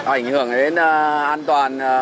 ảnh hưởng đến an toàn